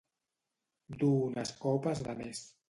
Dur unes copes de més.